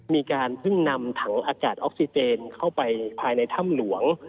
มีการเพิ่งนำถังอากาศออกซิเจนเข้าไปภายในถ้ำหลวง